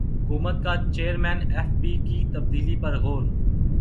حکومت کا chairman F B کی تبدیلی پر غور